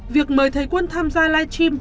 việc mời thầy quân tham gia live stream